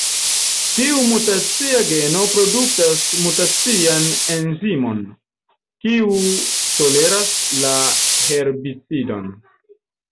Tiu mutacia geno produktas mutacian enzimon, kiu toleras la herbicidon.